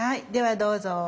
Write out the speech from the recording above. ではどうぞ。